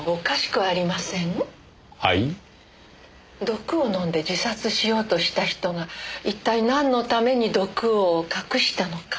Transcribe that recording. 毒を飲んで自殺しようとした人が一体なんのために毒を隠したのか。